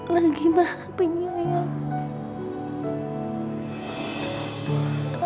lagi maha penyayang